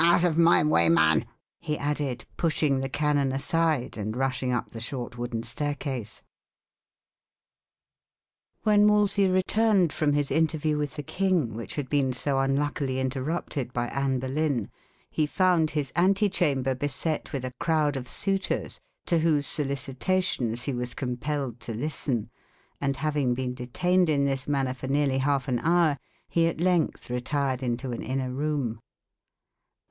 Out of my way, man," he added, pushing the canon aside, and rushing up the short wooden staircase. When Wolsey returned from his interview with the king, which had been so unluckily interrupted by Anne Boleyn, he found his ante chamber beset with a crowd of suitors to whose solicitations he was compelled to listen, and having been detained in this manner for nearly half an hour, he at length retired into an inner room.